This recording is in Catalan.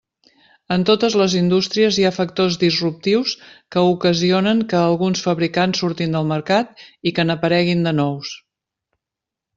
En totes les indústries hi ha factors disruptius que ocasionen que alguns fabricants surtin del mercat i que n'apareguin nous.